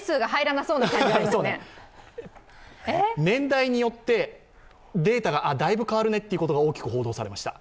年代によって、データがだいぶ変わるねということが大きく報道されました。